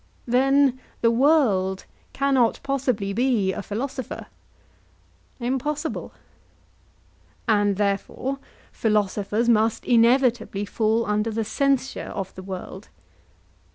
Then the world cannot possibly be a philosopher? Impossible. And therefore philosophers must inevitably fall under the censure of the world?